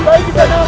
baik kita naik